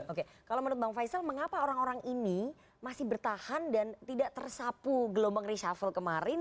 oke kalau menurut bang faisal mengapa orang orang ini masih bertahan dan tidak tersapu gelombang reshuffle kemarin